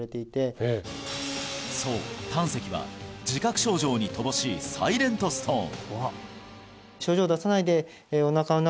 そう胆石は自覚症状に乏しいサイレントストーン！